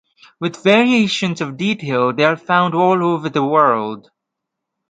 With variations of detail they are found all over the world.